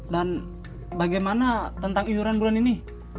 dan bagaimana tentang iuran bulan ini